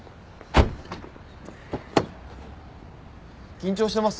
緊張してます？